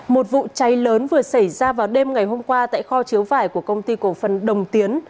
một vụ cháy lớn vừa xảy ra vào đêm ngày hôm qua tại kho chứa vải của công ty cổ phần đồng tiến